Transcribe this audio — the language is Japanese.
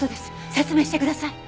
説明してください！